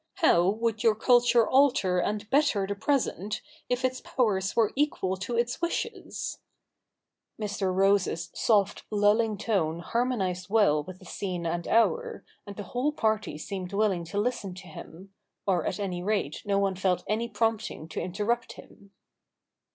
How would your culture alter and better the present, if its powers were equal to its wishes ?' Mr. Rose's soft lulling tone harmonised well with the scene and hour, and the whole party seemed willing to listen to him : or at any rate no one felt any prompting to interrupt him.